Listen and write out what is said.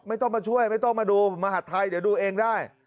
ไม่ต้องมาช่วยไม่ต้องมาดูมหัฐไทยเดี๋ยวดูเองได้